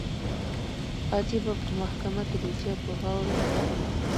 قاضي به په محکمه کې دوسیه په غور څارله.